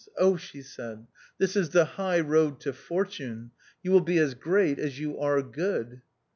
"Oh," she said, " this is the high road to fortune. You will be as great as you are good."